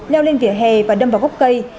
leo lên vỉa hè và đâm vào gốc cây